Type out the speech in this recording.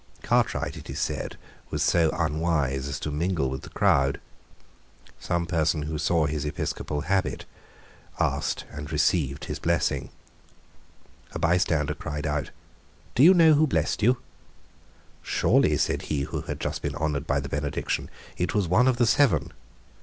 Cartwright, it is said, was so unwise as to mingle with the crowd. Some person who saw his episcopal habit asked and received his blessing. A bystander cried out, "Do you know who blessed you?" "Surely," said he who had just been honoured by the benediction, "it was one of the Seven."